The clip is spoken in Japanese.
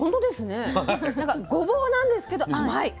ごぼうなんですけど甘い。